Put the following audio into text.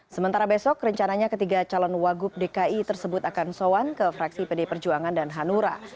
sementara besok rencananya ketiga calon wagub dki tersebut akan soan ke fraksi pd perjuangan dan hanura